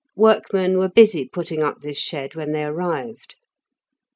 Workmen were busy putting up this shed when they arrived.